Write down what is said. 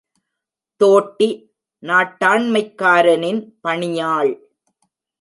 தோட்டி நாட்டாண்மைக்காரனின் பணியாள்.